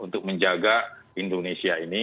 untuk menjaga indonesia ini